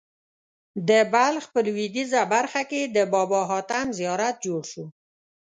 د بلخ په لوېدیځه برخه کې د بابا حاتم زیارت جوړ شو.